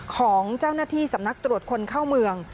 ของเจ้าหน้าที่สำนักตรวจคนเข้าเมือง